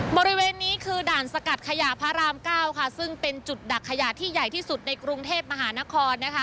บริเวณนี้คือด่านสกัดขยะพระรามเก้าค่ะซึ่งเป็นจุดดักขยะที่ใหญ่ที่สุดในกรุงเทพมหานครนะคะ